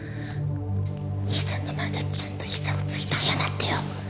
兄さんの前でちゃんと膝をついて謝ってよ！